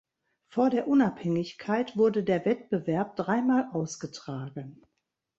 Vor der Unabhängigkeit wurde der Wettbewerb dreimal ausgetragen.